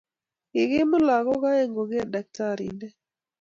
Kikimut lagok oeng koger daktarinte.